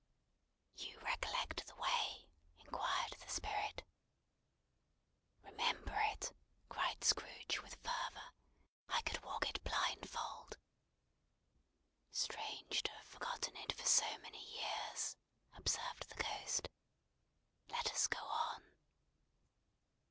"You recollect the way?" inquired the Spirit. "Remember it!" cried Scrooge with fervour; "I could walk it blindfold." "Strange to have forgotten it for so many years!" observed the Ghost. "Let us go on."